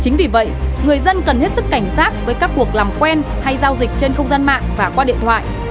người dân cần hết sức cảnh sát với các cuộc làm quen hay giao dịch trên không gian mạng và qua điện thoại